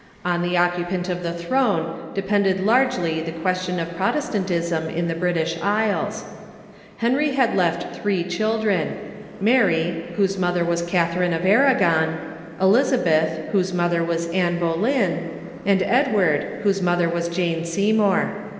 On the occupant of the throne depended largely the question of Protestantism in the British Isles. "'Sd"?!." 1^<^"0' liad left three children— 3Iary, whose mother was Catharine of Ai agon ; Elizabeth, whose mother was Anne Boleyn ; and Edward, whose mother was Jane Seymour.